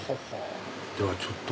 ではちょっと。